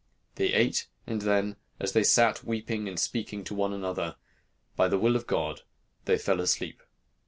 They ate, and then, as they sat weeping and speaking to one another, by the will of God they fell asleep.